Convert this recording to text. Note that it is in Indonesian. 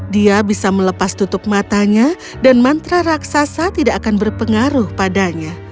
dia akan melepaskan tutup mata dan raksasa tidak akan berpengaruh pada dia